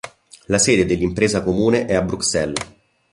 La sede dell'Impresa comune è a Bruxelles.